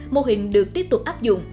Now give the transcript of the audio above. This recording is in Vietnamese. mô hình được tiếp tục áp dụng